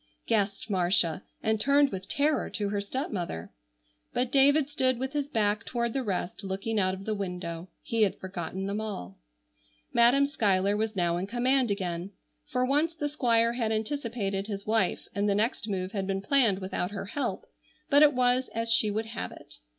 gasped Marcia, and turned with terror to her stepmother. But David stood with his back toward the rest looking out of the window. He had forgotten them all. Madam Schuyler was now in command again. For once the Squire had anticipated his wife, and the next move had been planned without her help, but it was as she would have it.